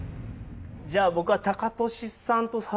じゃあ僕は。